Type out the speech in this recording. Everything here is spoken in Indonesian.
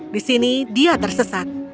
di sini dia tersesat